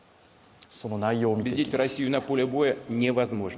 その内容を見ていきます。